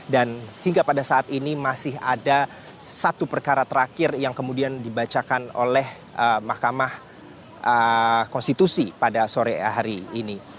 dan hingga pada saat ini masih ada satu perkara terakhir yang kemudian dibacakan oleh mk pada sore hari ini